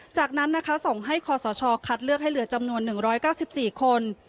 จากนั้นนะคะส่งให้คอสชคัดเลือกให้เหลือจำนวน๑๙๔คน